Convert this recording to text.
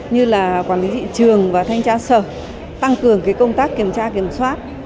như là quản lý thị trường và thanh tra sở tăng cường công tác kiểm tra kiểm soát